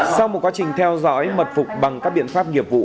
sau một quá trình theo dõi mật phục bằng các biện pháp nghiệp vụ